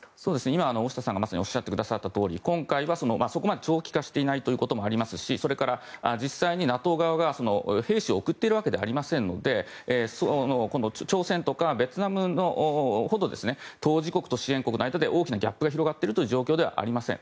今、大下さんがまさにおっしゃったとおり今回はそこまで長期化していないということもありますしそれから、実際にＮＡＴＯ側が兵士を送っているわけではありませんので朝鮮とかベトナムほど当事国と支援国の間で大きなギャップが広がっている状況ではありません。